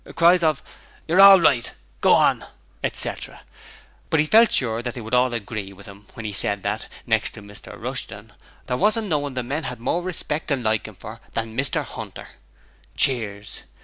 (Cries of 'You're all right,' 'Go on,' etc.) But he felt sure as they would all hagree with him when he said that next to Mr Rushton there wasn't no one the men had more respect and liking for than Mr 'Unter. (Cheers.)